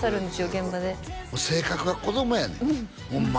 現場で性格が子供やねんホンマ